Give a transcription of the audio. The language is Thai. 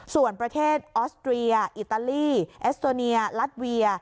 ส่วนประเทศออสเตรียอิตาลีเอสโตเนียลัดเวีย